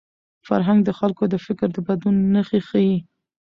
فرهنګ د خلکو د فکر د بدلون نښې ښيي.